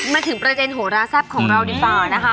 มาถึงประเด็นโหราแซ่บของเราดีกว่านะคะ